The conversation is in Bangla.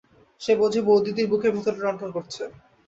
সে বোঝে বউদিদির বুকের ভিতরটা টনটন করছে।